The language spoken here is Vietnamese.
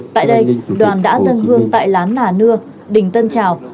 tại đây đoàn đã dân hương tại lán nà nưa đỉnh tân trào